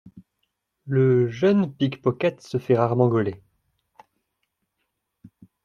Le jeune pickpocket se fait rarement gauler.